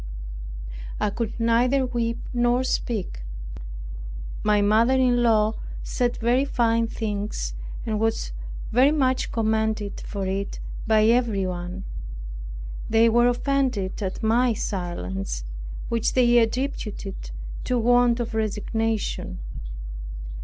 I could neither weep nor speak. My mother in law said very fine things, and was very much commended for it by everyone. They were offended at my silence, which they attributed to want of resignation.